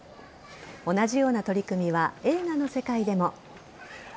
同じような取り組みは映画の世界でも。